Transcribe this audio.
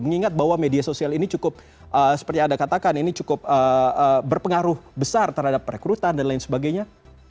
mengingat bahwa media sosial ini cukup seperti yang anda katakan ini cukup berpengaruh besar terhadap perekrutan dan lain sebagainya